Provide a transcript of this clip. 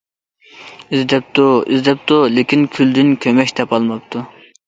ئىزدەپتۇ، ئىزدەپتۇ، لېكىن كۈلدىن كۆمەچ تاپالماپتۇ.